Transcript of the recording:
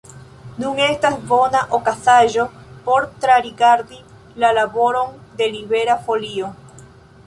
Nun estas bona okazaĵo por trarigardi la laboron de Libera Folio.